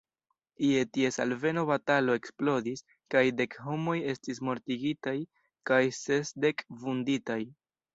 Je ties alveno batalo eksplodis kaj dek homoj estis mortigitaj kaj sesdek vunditaj.